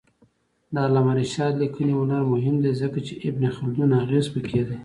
د علامه رشاد لیکنی هنر مهم دی ځکه چې ابن خلدون اغېز پکې دی.